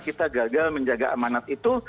kita gagal menjaga amanat itu